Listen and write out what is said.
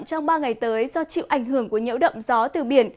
trong ba ngày tới do chịu ảnh hưởng của nhiễu động gió từ biển